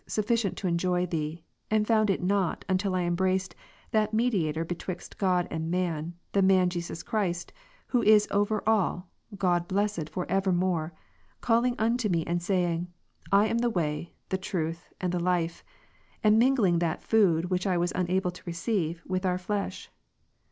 sufficient to enjoy Thee ; and found it not, until I embraced ^'^* that Mediator betwixt God and men, the Man Christ Jesus, Rom. 9, y^jiQ is over all, God blessed for evermore, calling unto me, John 14, and saying, / am the ivay, the truth, and the life, and ^ minsflinor that food which I was unable to receive, with our '' flesh.